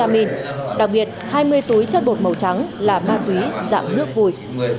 đặc biệt hai mươi túi chất bột màu trắng là ma túy dạng nước vùi